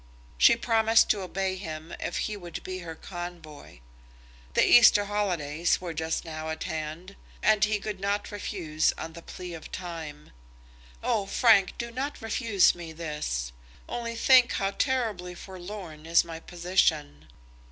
She promised to obey him if he would be her convoy. The Easter holidays were just now at hand, and he could not refuse on the plea of time. "Oh, Frank, do not refuse me this; only think how terribly forlorn is my position!"